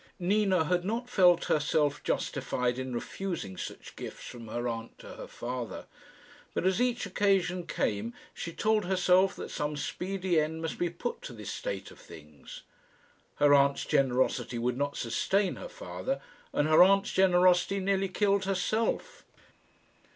Nina had not felt herself justified in refusing such gifts from her aunt to her father, but as each occasion came she told herself that some speedy end must be put to this state of things. Her aunt's generosity would not sustain her father, and her aunt's generosity nearly killed herself.